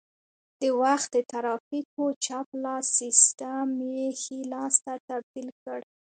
د وخت د ترافیکو چپ لاس سیسټم یې ښي لاس ته تبدیل کړ